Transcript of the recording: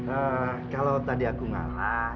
eee kalau tadi aku ngalah